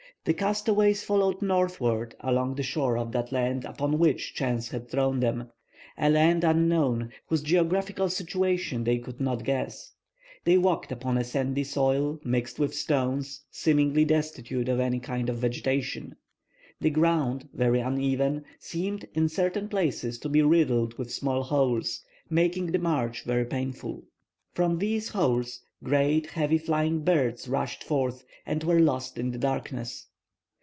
The castaways followed northward along the shore of that land upon which chance had thrown them. A land unknown, whose geographical situation they could not guess. They walked upon a sandy soil, mixed with stones, seemingly destitute of any kind of vegetation. The ground, very uneven, seemed in certain places to be riddled with small holes, making the march very painful. From these holes, great, heavy flying birds rushed forth, and were lost in the darkness.